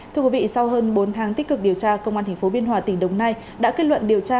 thưa quý vị sau hơn bốn tháng tích cực điều tra công an tp biên hòa tỉnh đồng nai đã kết luận điều tra